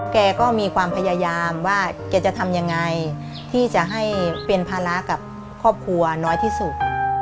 แกก็มีความพยายามว่าแกจะทำยังไงที่จะให้เป็นภาระกับครอบครัวน้อยที่สุด